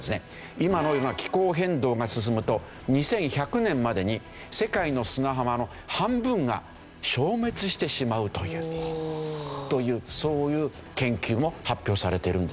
今のような気候変動が進むと２１００年までに世界の砂浜の半分が消滅してしまうというそういう研究も発表されてるんですよね。